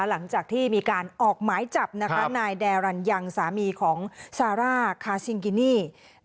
หลังจากที่มีการออกหมายจับนายแดรันยังสามีของซาร่าคาซิงกินี่